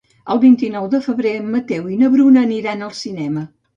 El vint-i-nou de febrer en Mateu i na Bruna aniran al cinema.